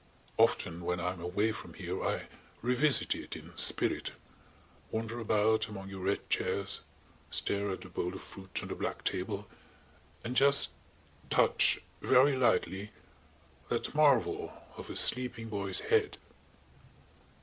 Often when I am away from here I revisit it in spirit– wander about among your red chairs, stare at the bowl of fruit on the black table–and just touch, very lightly, that marvel of a sleeping boy's head."